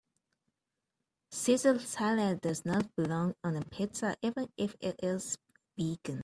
Caesar salad does not belong on a pizza even if it is vegan.